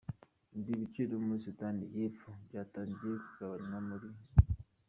Ibi biciro muri Sudani y’Epfo byatangiye kugabanywa muri Gashyantare.